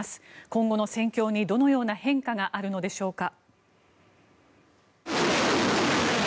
今後の戦況にどのような変化があるのでしょうか。